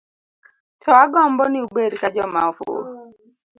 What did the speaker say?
To agombo ni ubed ka joma ofuwo.